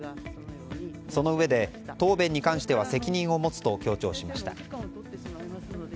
そのうえで、答弁に関しては責任を持つと強調しました。